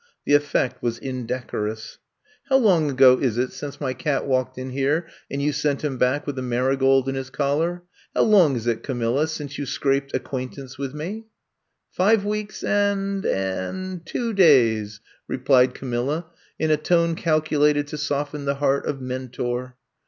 The effect was indecorous. How long ago is it since my cat walked in here and you sent him back with a mari gold in his collar f How long is it, Camilla, since you scraped acquaintance with me f Five weeks and — and two days,'* re 38 I'VE COMB TO STAY plied Camilla in a tone calculated to soften the heart of Mentor.